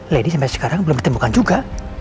lady sampai sekarang belum ditemukan juga